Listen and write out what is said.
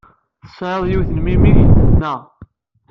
Tesɛid yiwen n memmi-k, naɣ?